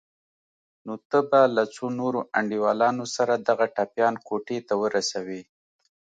نو ته به له څو نورو انډيوالانو سره دغه ټپيان کوټې ته ورسوې.